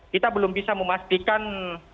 kita belum bisa memastikan